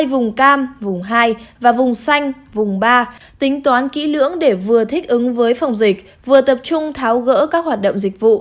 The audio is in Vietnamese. vùng cam vùng hai và vùng xanh vùng ba tính toán kỹ lưỡng để vừa thích ứng với phòng dịch vừa tập trung tháo gỡ các hoạt động dịch vụ